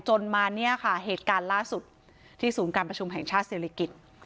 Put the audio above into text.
มาเนี่ยค่ะเหตุการณ์ล่าสุดที่ศูนย์การประชุมแห่งชาติศิริกิจ